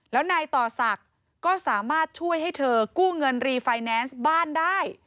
แล้วนายต่อศักดิ์ก็สามารถช่วยให้เธอกู้เงินรีไฟแนนซ์บ้านได้